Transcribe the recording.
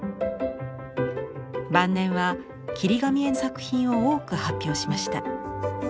晩年は「切り紙絵」の作品を多く発表しました。